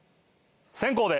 先攻で。